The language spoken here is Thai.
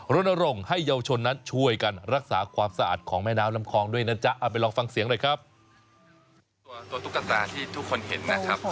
รณร่งให้เยาวชนนั้นช่วยกันรักษาความสะอาดของแม่น้ำลำคลองด้วยนะจ๊ะ